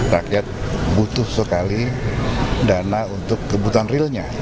rakyat butuh sekali dana untuk kebutuhan realnya